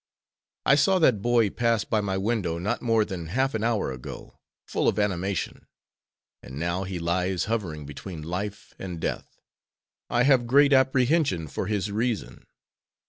I saw that boy pass by my window not more than half an hour ago, full of animation, and now he lies hovering between life and death. I have great apprehension for his reason.